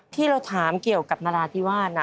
ที่เราถามเกี่ยวกับนราธิวาส